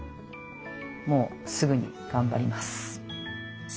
もうすぐに頑張ります。